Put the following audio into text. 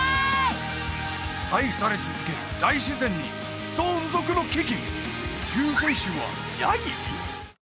愛され続ける大自然に存続の危機！